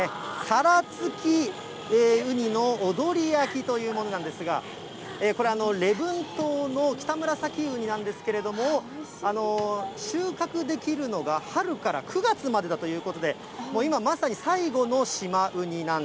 殻付ウニの踊り焼きというものなんですが、これ、礼文島のキタムラサキウニなんですけれども、収穫できるのが春から９月までだということで、大きいですか？